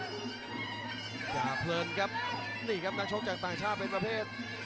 อย่าเพลินกินนะครับมาเทศ